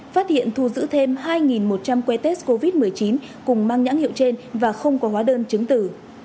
phát hiện thu giữ thêm hai một trăm linh que test covid một mươi chín cùng mang nhãn hiệu trên và không có hóa đơn chứng tử